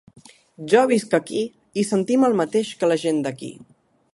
Jo visc aquí i sentim el mateix que la gent d’aquí.